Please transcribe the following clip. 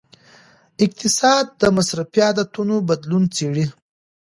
اقتصاد د مصرفي عادتونو بدلون څیړي.